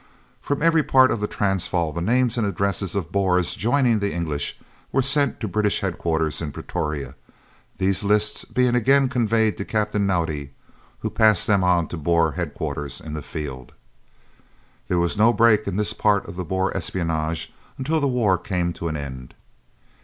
From every part of the Transvaal the names and addresses of Boers joining the English were sent to British head quarters in Pretoria, these lists being again conveyed to Captain Naudé, who passed them on to Boer head quarters in the field. There was no break in this part of the Boer espionage until the war came to an end.